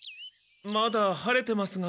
まだ晴れてますが。